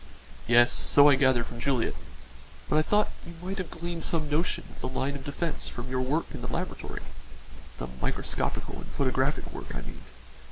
"Yes, so I gathered from Juliet. But I thought you might have gleaned some notion of the line of defence from your work in the laboratory the microscopical and photographic work I mean."